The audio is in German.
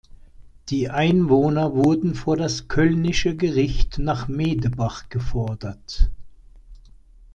Die Einwohner wurden vor das kölnische Gericht nach Medebach gefordert.